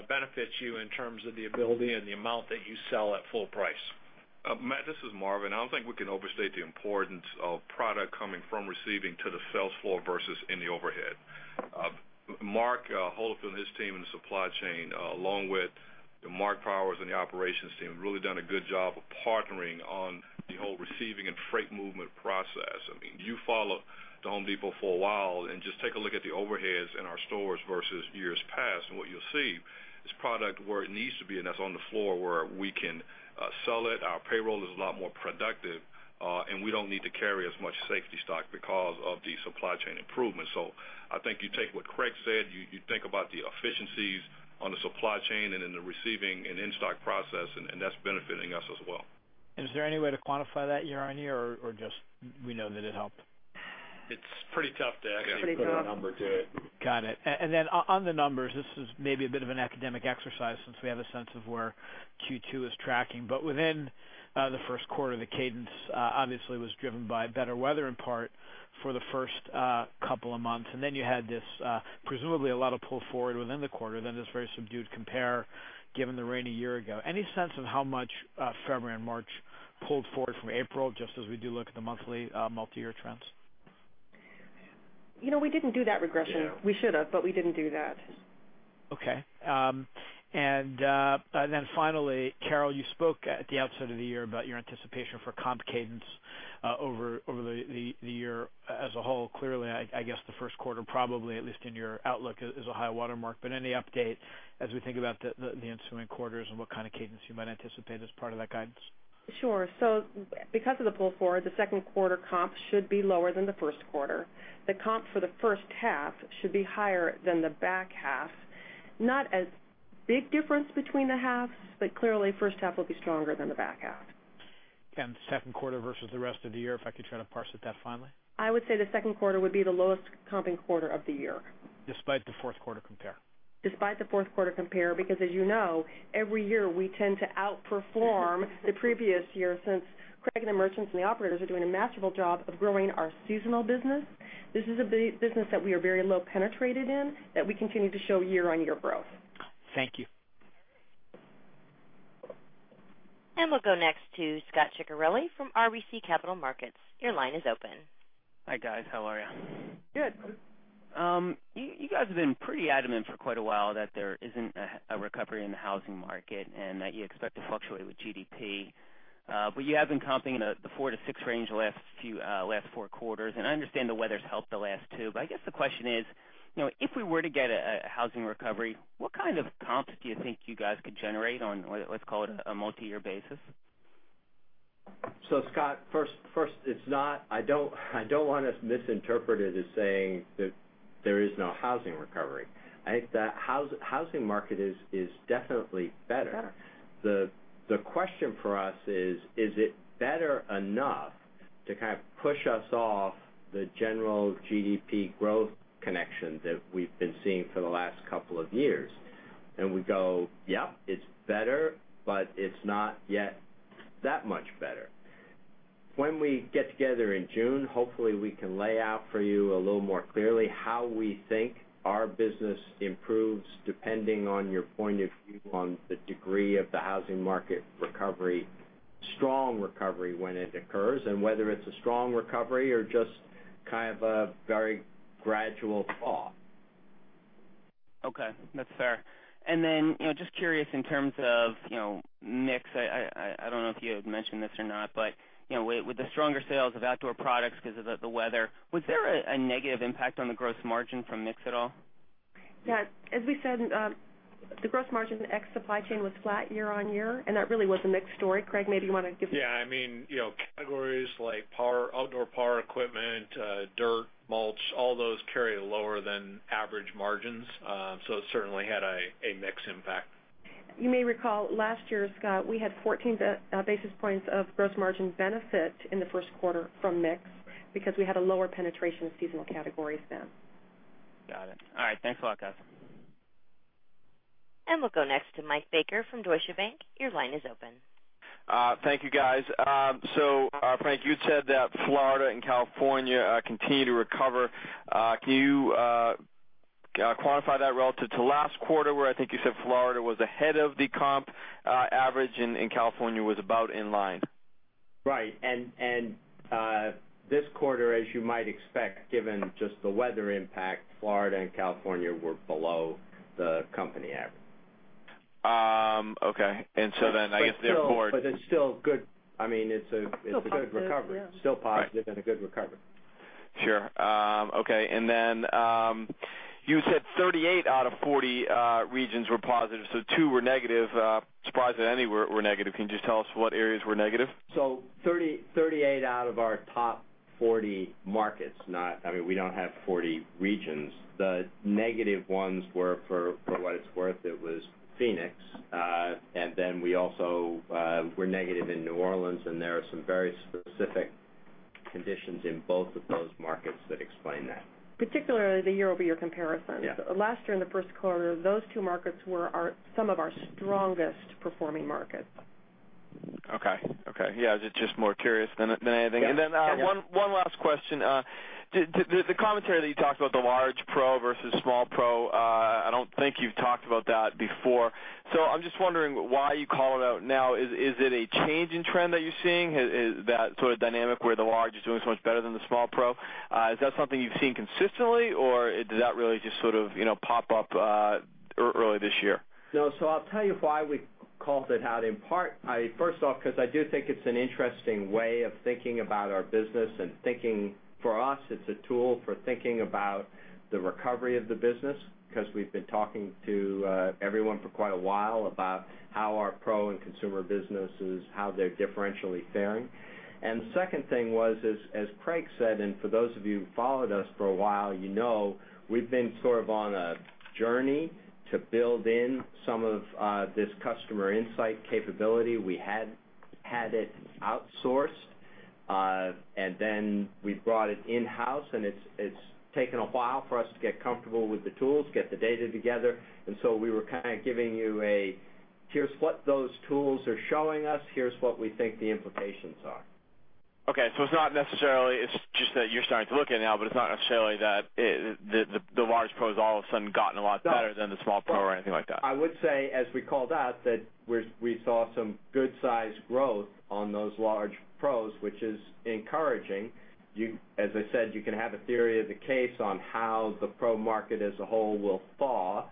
benefits you in terms of the ability and the amount that you sell at full price. Matt, this is Marvin. I don't think we can overstate the importance of product coming from receiving to the sales floor versus in the overhead. Mark Holifield and his team in the supply chain, along with Marc Powers and the operations team, have really done a good job of partnering on the whole receiving and freight movement process. If you followed The Home Depot for a while and just take a look at the overheads in our stores versus years past, what you'll see is product where it needs to be, and that's on the floor where we can sell it. Our payroll is a lot more productive, and we don't need to carry as much safety stock because of the supply chain improvements. I think you take what Craig said, you think about the efficiencies on the supply chain and in the receiving and in-stock process, that's benefiting us as well. Is there any way to quantify that year-on-year, just we know that it helped? It's pretty tough to actually put a number to it. Got it. On the numbers, this is maybe a bit of an academic exercise since we have a sense of where Q2 is tracking. Within the first quarter, the cadence obviously was driven by better weather in part for the first couple of months. You had this presumably a lot of pull forward within the quarter, then this very subdued compare, given the rainy year ago. Any sense of how much February and March pulled forward from April, just as we do look at the monthly, multi-year trends? We didn't do that regression. We should have, but we didn't do that. Okay. Finally, Carol, you spoke at the outset of the year about your anticipation for comp cadence over the year as a whole, clearly, I guess the first quarter, probably, at least in your outlook, is a high watermark. Any update as we think about the ensuing quarters and what kind of cadence you might anticipate as part of that guidance? Sure. Because of the pull-forward, the second quarter comps should be lower than the first quarter. The comp for the first half should be higher than the back half. Not a big difference between the halves, but clearly first half will be stronger than the back half. Second quarter versus the rest of the year, if I could try to parse at that finally. I would say the second quarter would be the lowest comping quarter of the year. Despite the fourth quarter compare? Despite the fourth quarter compare, because as you know, every year we tend to outperform the previous year since Craig and the merchants and the operators are doing a masterful job of growing our seasonal business. This is a business that we are very low penetrated in, that we continue to show year-on-year growth. Thank you. We'll go next to Scot Ciccarelli from RBC Capital Markets. Your line is open. Hi, guys. How are you? Good. You guys have been pretty adamant for quite a while that there isn't a recovery in the housing market and that you expect to fluctuate with GDP. You have been comping the four to six range the last four quarters, and I understand the weather's helped the last two. I guess the question is: if we were to get a housing recovery, what kind of comps do you think you guys could generate on, let's call it, a multi-year basis? Scot, first, I don't want us misinterpreted as saying that there is no housing recovery. I think the housing market is definitely better. The question for us is: Is it better enough to kind of push us off the general GDP growth connection that we've been seeing for the last couple of years? We go, yep, it's better, but it's not yet that much better. When we get together in June, hopefully, we can lay out for you a little more clearly how we think our business improves, depending on your point of view on the degree of the housing market recovery, strong recovery when it occurs, and whether it's a strong recovery or just kind of a very gradual thaw. Okay. That's fair. Just curious in terms of mix, I don't know if you had mentioned this or not, but with the stronger sales of outdoor products because of the weather, was there a negative impact on the gross margin from mix at all? Yeah. As we said, the gross margin ex supply chain was flat year-on-year, that really was a mixed story. Craig, maybe you want to give- Yeah. Categories like outdoor power equipment, dirt, mulch, all those carry lower than average margins. It certainly had a mix impact. You may recall last year, Scot, we had 14 basis points of gross margin benefit in the first quarter from mix because we had a lower penetration of seasonal categories then. Got it. All right. Thanks a lot, guys. We'll go next to Michael Baker from Deutsche Bank. Your line is open. Thank you, guys. Frank, you said that Florida and California continue to recover. Can you quantify that relative to last quarter, where I think you said Florida was ahead of the comp average and California was about in line? Right. This quarter, as you might expect, given just the weather impact, Florida and California were below the company average. Okay. It's still good. It's a good recovery. Still positive, yeah. Still positive and a good recovery. Sure. Okay. You said 38 out of 40 regions were positive, so two were negative. Surprised that any were negative. Can you just tell us what areas were negative? 38 out of our top 40 markets. We don't have 40 regions. The negative ones were, for what it's worth, it was Phoenix. We also were negative in New Orleans, and there are some very specific conditions in both of those markets that explain that. Particularly the year-over-year comparisons. Yeah. Last year in the first quarter, those two markets were some of our strongest performing markets. Okay. Yeah. Just more curious than anything. One last question. The commentary that you talked about, the large pro versus small pro, I don't think you've talked about that before. I'm just wondering why you call it out now. Is it a change in trend that you're seeing? Is that sort of dynamic where the large is doing so much better than the small pro? Is that something you've seen consistently, or did that really just sort of pop up early this year? No. I'll tell you why we called it out. In part, first off, because I do think it's an interesting way of thinking about our business. For us, it's a tool for thinking about the recovery of the business, because we've been talking to everyone for quite a while about how our pro and consumer businesses, how they're differentially faring. The second thing was, as Craig said, For those of you who followed us for a while, you know we've been sort of on a journey to build in some of this customer insight capability. We had had it outsourced. Then we brought it in-house, and it's taken a while for us to get comfortable with the tools, get the data together. We were kind of giving you a, "Here's what those tools are showing us. Here's what we think the implications are. Okay. It's not necessarily, it's just that you're starting to look at now, but it's not necessarily that the large pro has all of a sudden gotten a lot better than the small pro or anything like that. I would say, as we called out, that we saw some good size growth on those large pros, which is encouraging. As I said, you can have a theory of the case on how the pro market as a whole will thaw.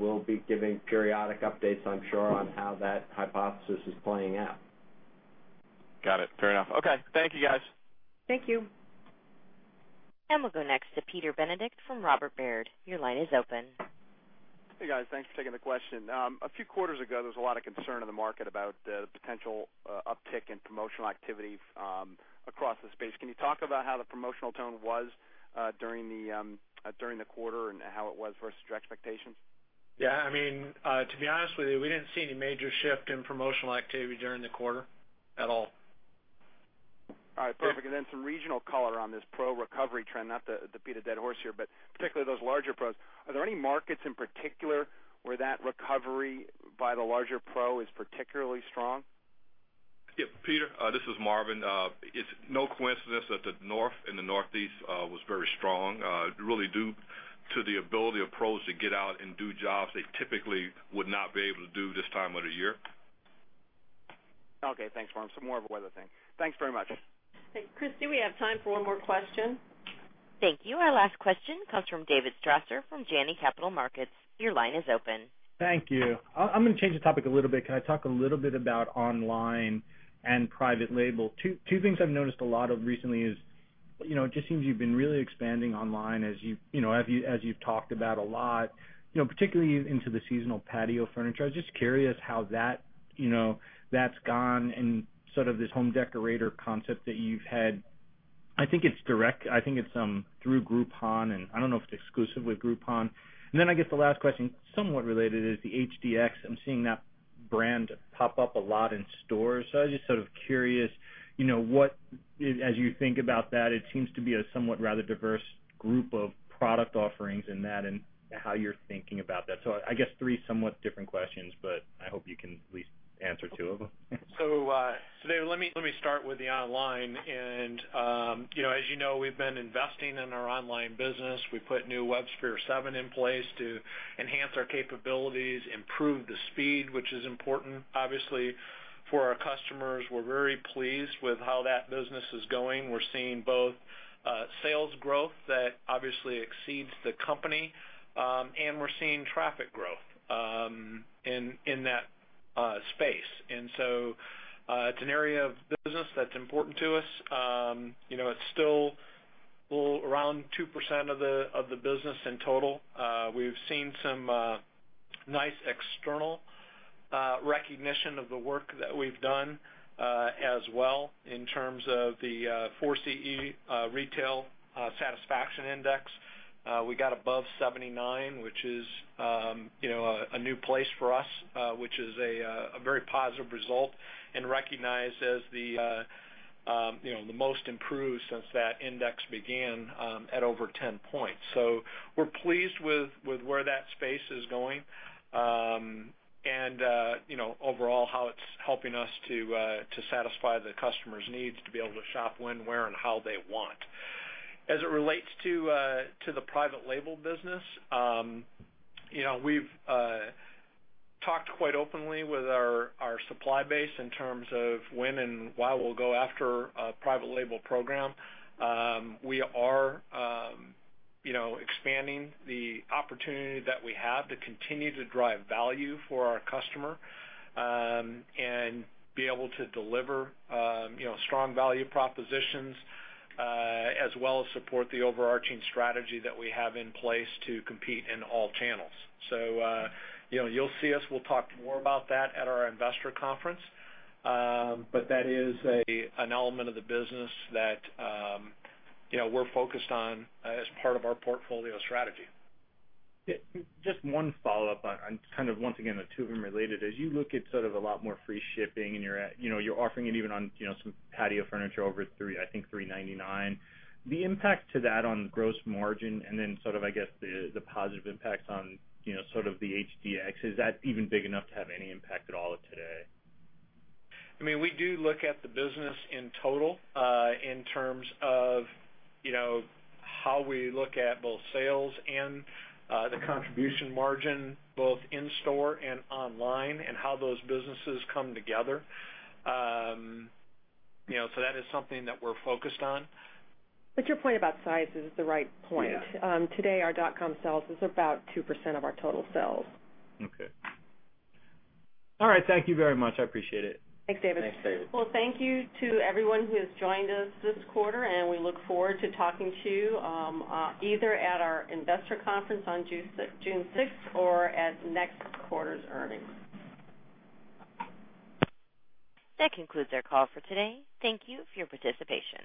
We'll be giving periodic updates, I'm sure, on how that hypothesis is playing out. Got it. Fair enough. Okay. Thank you, guys. Thank you. We'll go next to Peter Benedict from Robert W. Baird. Your line is open. Hey, guys. Thanks for taking the question. A few quarters ago, there was a lot of concern in the market about the potential uptick in promotional activity across the space. Can you talk about how the promotional tone was during the quarter and how it was versus your expectations? Yeah. To be honest with you, we didn't see any major shift in promotional activity during the quarter at all. Perfect. Some regional color on this pro-recovery trend. Not to beat a dead horse here, particularly those larger pros, are there any markets in particular where that recovery by the larger pro is particularly strong? Yeah, Peter, this is Marvin. It's no coincidence that the North and the Northeast was very strong, really due to the ability of pros to get out and do jobs they typically would not be able to do this time of the year. Okay, thanks, Marvin. More of a weather thing. Thanks very much. Hey, Christy, we have time for one more question. Thank you. Our last question comes from David Strasser from Janney Montgomery Scott. Your line is open. Thank you. I'm gonna change the topic a little bit. Can I talk a little bit about online and private label? Two things I've noticed a lot of recently is, it just seems you've been really expanding online as you've talked about a lot, particularly into the seasonal patio furniture. I was just curious how that's gone and sort of this Home Decorators Collection that you've had. I think it's direct. I think it's through Groupon, I don't know if it's exclusive with Groupon. Then I guess the last question, somewhat related, is the HDX. I'm seeing that brand pop up a lot in stores. I was just sort of curious, as you think about that, it seems to be a somewhat rather diverse group of product offerings in that and how you're thinking about that. I guess three somewhat different questions, I hope you can at least answer two of them. David, let me start with the online. As you know, we've been investing in our online business. We put new WebSphere 7 in place to enhance our capabilities, improve the speed, which is important, obviously, for our customers. We're very pleased with how that business is going. We're seeing both sales growth that obviously exceeds the company, and we're seeing traffic growth in that space. It's an area of business that's important to us. It's still around 2% of the business in total. We've seen some nice external recognition of the work that we've done as well in terms of the ForeSee retail satisfaction index. We got above 79, which is a new place for us, which is a very positive result, and recognized as the most improved since that index began at over 10 points. We're pleased with where that space is going and overall how it's helping us to satisfy the customers' needs to be able to shop when, where, and how they want. As it relates to the private label business, we've talked quite openly with our supply base in terms of when and why we'll go after a private label program. We are expanding the opportunity that we have to continue to drive value for our customer and be able to deliver strong value propositions, as well as support the overarching strategy that we have in place to compete in all channels. You'll see us, we'll talk more about that at our investor conference. That is an element of the business that we're focused on as part of our portfolio strategy. Yeah. Just one follow-up on, kind of once again, the two of them related. As you look at sort of a lot more free shipping and you're offering it even on some patio furniture over, I think, $399. The impact to that on gross margin and then sort of, I guess, the positive impact on the HDX, is that even big enough to have any impact at all today? We do look at the business in total in terms of how we look at both sales and the contribution margin, both in store and online, and how those businesses come together. That is something that we're focused on. Your point about size is the right point. Yeah. Today, our .com sales is about 2% of our total sales. Okay. All right. Thank you very much. I appreciate it. Thanks, David. Thanks, David. Well, thank you to everyone who has joined us this quarter, and we look forward to talking to you either at our investor conference on June 6th or at next quarter's earnings. That concludes our call for today. Thank you for your participation.